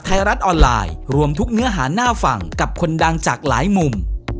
ไทยรัฐออนไลน์รวมทุกเนื้อหาน่าฟังกับคนดังจากหลายมุม